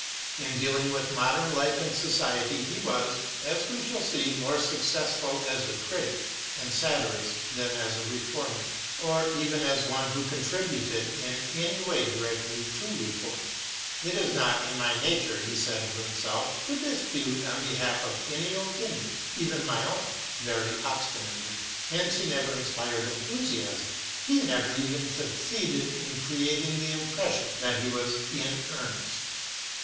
In dealing with modern life and society he was, as we shall see, more successful as a critic and satirist than as a reformer, or even as one who contributed in any way directly to reform. " It is not in my nature," he said of himself, " to dispute on behalf of any opinion, even my own, very obstinately." Hence he never inspired enthusiasm, he never even succeeded in creating i8o MATTHEW ARNOLD the impression that he was in earnest.